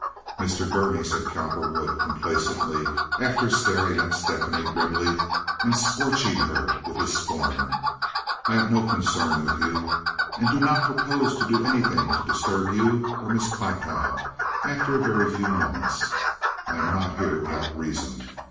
"Mr. Gurney," said Cowperwood, complacently, after staring at Stephanie grimly and scorching her with his scorn, "I have no concern with you, and do not propose to do anything to disturb you or Miss Platow after a very few moments. I am not here without reason.